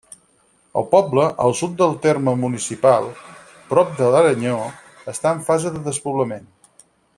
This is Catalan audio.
El poble, al sud del terme municipal, prop de l'Aranyó, està en fase de despoblament.